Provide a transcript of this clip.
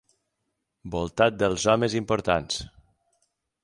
Voltat dels homes importants